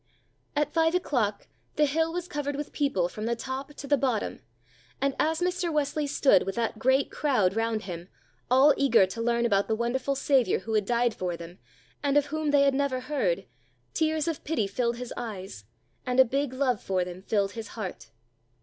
At five o'clock the hill was covered with people from the top to the bottom, and as Mr. Wesley stood with that great crowd round him, all eager to learn about the wonderful Saviour who had died for them, and of whom they had never heard, tears of pity filled his eyes, and a big love for them filled his heart.